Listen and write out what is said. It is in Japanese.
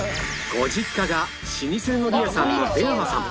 ご実家が老舗海苔屋さんの出川さん